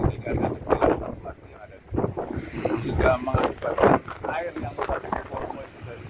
ini juga mengakibatkan air yang berada di kolom kolom ini